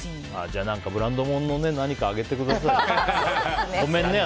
ブランド物の何かをあげてください。